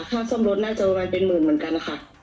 ค่าซ่อมรถน่าจะประมาณเป็นหมื่นเหมือนกันค่ะ